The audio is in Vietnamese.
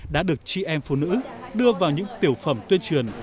đã được chị em phụ nữ đưa vào những tiểu phẩm tuyên truyền